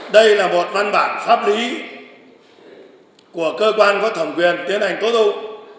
đây là một văn bản pháp lý của cơ quan có thẩm quyền tiến hành tố tụng